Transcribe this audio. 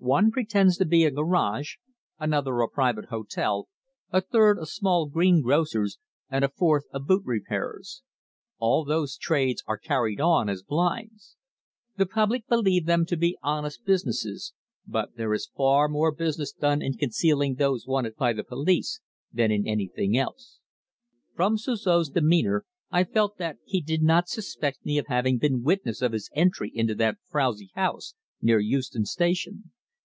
One pretends to be a garage, another a private hotel, a third a small greengrocer's, and a fourth a boot repairer's. All those trades are carried on as "blinds." The public believe them to be honest businesses, but there is far more business done in concealing those wanted by the police than in anything else. From Suzor's demeanour I felt that he did not suspect me of having been witness of his entry into that frowsy house near Euston Station.